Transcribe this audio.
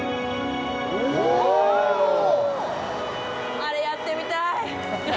あれやってみたい。